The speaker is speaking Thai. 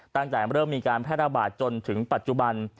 ตั้งแต่เริ่มมีการแพร่ระบาดจนถึงปัจจุบัน